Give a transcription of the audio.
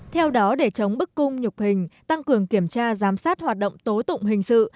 theo đó để chống bức cung nhục hình tăng cường kiểm tra giám sát hoạt động tố tụng hình sự